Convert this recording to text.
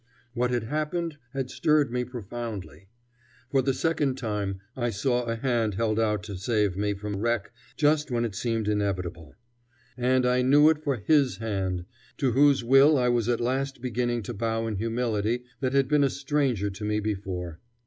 What had happened had stirred me profoundly. For the second time I saw a hand held out to save me from wreck just when it seemed inevitable; and I knew it for His hand, to whose will I was at last beginning to bow in humility that had been a stranger to me before.